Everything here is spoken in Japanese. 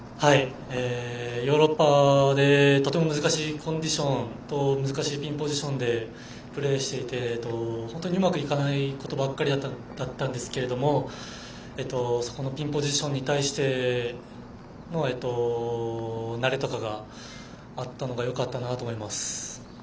ヨーロッパでとても難しいコンディションと難しいピンポジションでプレーしていて本当にうまくいかないことばかりだったんですけどそこのピンポジションに対しての慣れとかがあったのがよかったと思います。